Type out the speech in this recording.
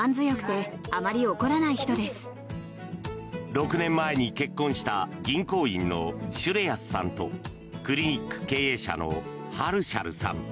６年前に結婚した銀行員のシュレヤスさんとクリニック経営者のハルシャルさん。